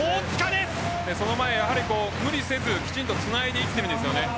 その前、無理せずきちんとつないでいっているんですよね。